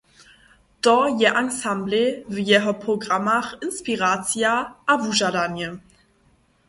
To je ansamblej w jeho programach inspiracija a wužadanje.